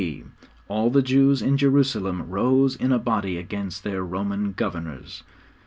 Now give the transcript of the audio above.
D., all the Jews in Jerusalem rose in a body against their Roman governors.